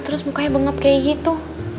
terus mukanya bengap kayak gitu